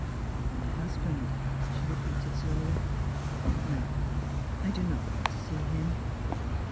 " My husband," she repeated slowly. " No, I do not want to see him.